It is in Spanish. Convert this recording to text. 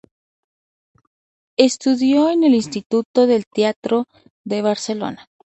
Estudió en el Instituto del Teatro de Barcelona.